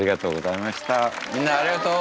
みんなありがとう！